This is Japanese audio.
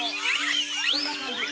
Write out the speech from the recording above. こんな感じ。